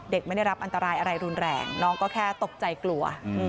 ไม่ได้รับอันตรายอะไรรุนแรงน้องก็แค่ตกใจกลัว